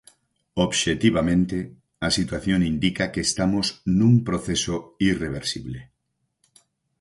Obxectivamente a situación indica que estamos nun proceso irreversible.